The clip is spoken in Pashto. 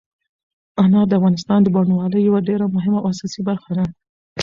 انار د افغانستان د بڼوالۍ یوه ډېره مهمه او اساسي برخه ده.